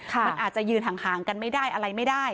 มันอาจจะยืนห่างกันไม่ได้อะไรไม่ได้